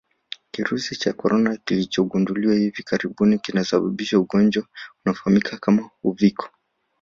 Kirusi cha Corona kilichogundulika hivi karibuni kinasababisha ugonjwa unaofahamika kama Uviko